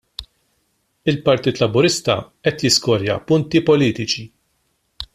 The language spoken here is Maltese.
Il-Partit Laburista qiegħed jiskorja punti politiċi.